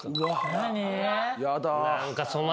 何？